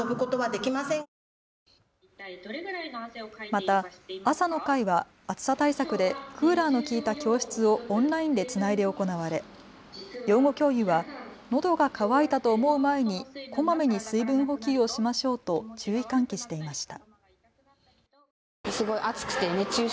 また朝の会は暑さ対策でクーラーの効いた教室をオンラインでつないで行われ養護教諭は、のどが渇いたと思う前にこまめに水分補給をしましょうと注意喚起していました。